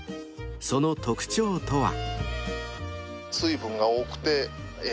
［その特徴とは］